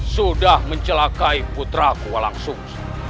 sudah mencelakai putraku langsung